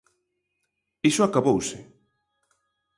Iso acabouse.